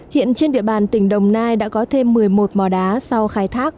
hiện trên địa bàn tỉnh đồng nai đã có thêm một mươi một mò đá sau khai thác